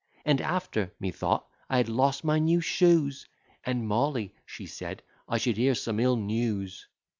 And after, methought, I had lost my new shoes; And Molly, she said, I should hear some ill news.